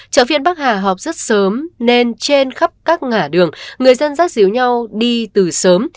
chợ phiên bắc hà họp rất sớm nên trên khắp các ngã đường người dân rác diếu nhau đi từ sớm